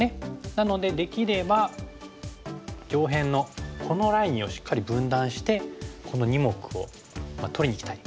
なのでできれば上辺のこのラインをしっかり分断してこの２目を取りにいきたい。